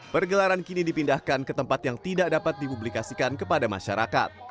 pergelaran kini dipindahkan ke tempat yang tidak dapat dipublikasikan kepada masyarakat